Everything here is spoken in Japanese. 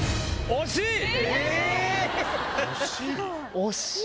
惜しい？